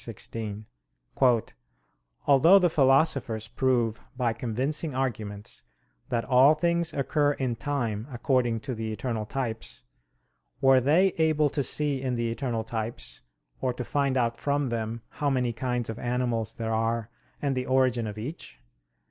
iv, 16): "Although the philosophers prove by convincing arguments that all things occur in time according to the eternal types, were they able to see in the eternal types, or to find out from them how many kinds of animals there are and the origin of each?